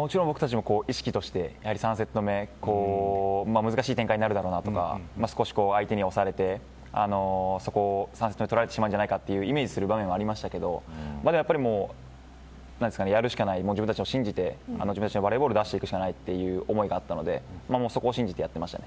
僕らも意識として３セット目が難しい展開になるだろうとか少し相手に押されて３セット目を取られてしまうんじゃないかというイメージをする場面がありましたけどやるしかない、自分たちを信じて自分たちのバレーボールを出すしかないという思いがあったのでそこを信じてやりました。